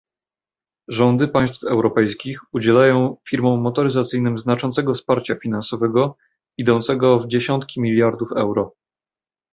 Rządy państw europejskich udzielają firmom motoryzacyjnym znaczącego wsparcia finansowego, idącego w dziesiątki miliardów euro